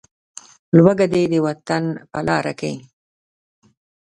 لوږه دې د وطن په لاره کې.